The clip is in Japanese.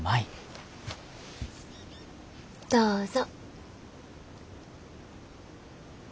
どうぞ。